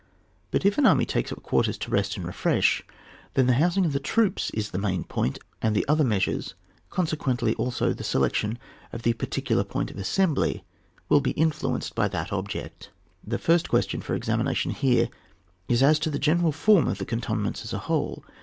But if an army takes up quarters to rest and refresh, then the housing of the troops is the main point, and otiber measures, consequently also the selection of the particular point of assembly, will be influenced by that object. The first question for examination here is as to the general form of tlie canton ments as a whole.